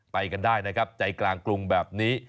ไปกันได้นะครับใจกลางกรุงแบบนี้